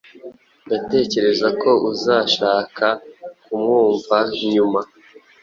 Ndatekereza ko uzashaka kumwumva nyuma.